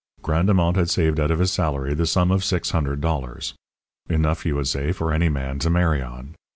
Grandemont had saved out of his salary the sum of six hundred dollars. Enough, you would say, for any man to marry on.